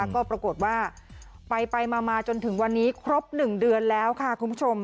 ก็ปรากฏว่าไปมาจนถึงวันนี้ครบ๑เดือนแล้วค่ะคุณผู้ชม